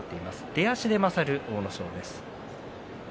出足で勝る阿武咲です。